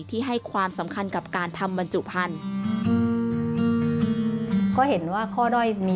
ที่ให้ความสำคัญกับการทำบรรจุพันธุ์